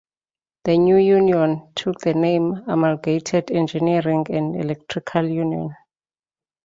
The new union took the name Amalgamated Engineering and Electrical Union.